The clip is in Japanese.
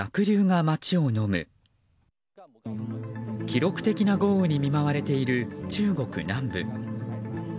記録的な豪雨に見舞われている中国南部。